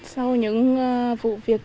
sau những vụ việc